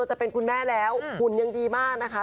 จะเป็นคุณแม่แล้วหุ่นยังดีมากนะคะ